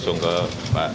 terima kasih pak